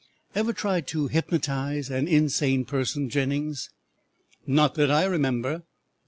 "Ever tried to hypnotize an insane person, Jennings?" "Not that I remember."